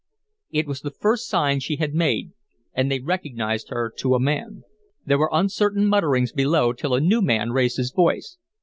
It was the first sign she had made, and they recognized her to a man. There were uncertain mutterings below till a new man raised his voice.